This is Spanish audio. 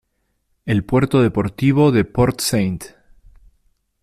El puerto deportivo de Port St.